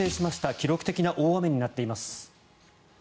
記録的な大雨になっています。